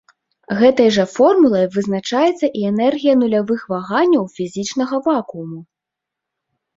Гэтай жа формулай вызначаецца і энергія нулявых ваганняў фізічнага вакууму.